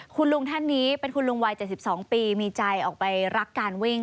คุณลุงท่านนี้เป็นคุณลุงวัย๗๒ปีมีใจออกไปรักการวิ่ง